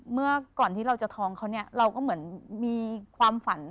เมื่อก่อนที่เราจะท้องเขาเนี่ยเราก็เหมือนมีความฝัน